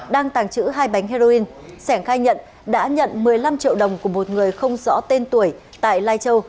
đang tàng trữ hai bánh heroin sẻng khai nhận đã nhận một mươi năm triệu đồng của một người không rõ tên tuổi tại lai châu